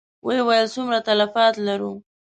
ويې ويل: څومره تلفات لرو؟